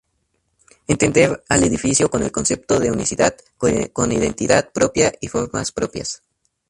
Entender al edificio con el concepto de unicidad, con identidad propia y formas propias.